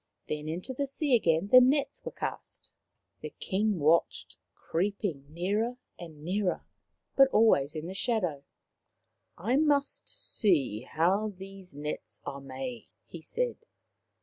Then into the sea again the nets were cast. The King watched, creeping nearer and nearer, but always in the shadow. " I must see how those nets are made," he said.